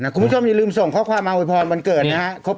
คุณผู้ชมอย่าลืมส่งข้อความมาโวยพรวันเกิดนะครับ